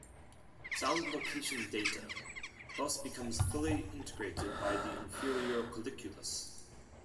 Sound location data thus becomes fully integrated by the inferior colliculus.